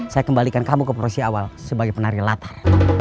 saya kembalikan kamu ke porsi awal sebagai penari latar